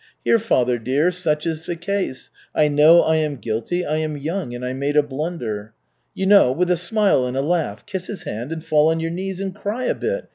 'Here, father dear, such is the case. I know I am guilty, I am young and I made a blunder.' You know, with a smile and a laugh. Kiss his hand and fall on your knees, and cry a bit.